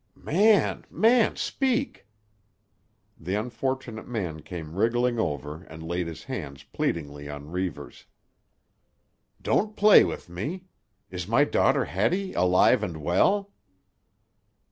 "Man, man! Speak!" The unfortunate man came wriggling over and laid his hands pleadingly on Reivers. "Don't play with me. Is my daughter Hattie alive and well?"